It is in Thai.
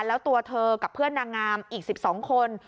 แล้วตัวเธอกับเพื่อนนางงามอีก๑๒คน